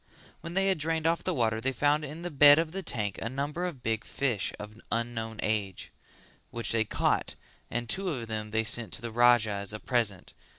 When they had drained off the water they found in the bed of the tank a number of big fish of unknown age: which they caught and two of them they sent to the Raja as a present.